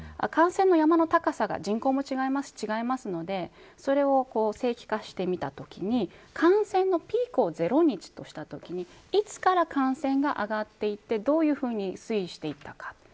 感染の山の高さが人口も違うし、違いますのでそれを正規化してみたときに感染のピークを０日としたときにいつから感染が上がっていってどういうふうに推移していったか